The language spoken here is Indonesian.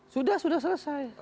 sudah sudah selesai